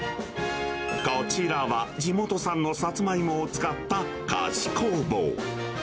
こちらは、地元産のさつまいもを使った菓子工房。